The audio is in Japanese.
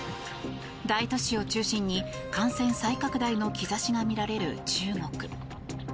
大都市を中心に感染再拡大の兆しが見られる中国。